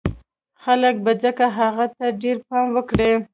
خلک به ځکه هغه ته ډېر پام وکړي